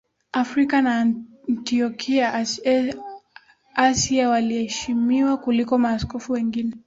Afrika na Antiokia Asia waliheshimiwa kuliko maaskofu wengine